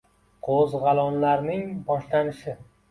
Qo‘zg‘olonlarning boshlanishi.